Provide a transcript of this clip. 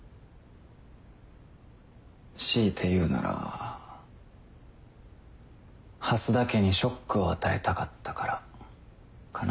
強いて言うなら蓮田家にショックを与えたかったからかな。